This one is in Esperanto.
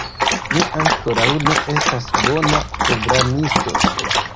Mi ankoraŭ ne estas bona programisto